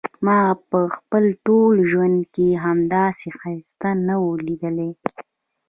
ما په خپل ټول ژوند کې همداسي ښایست نه و ليدلی.